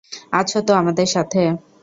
আছো তো আমাদের সাথে?